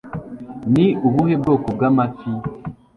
ni ubuhe bwoko bw'amafi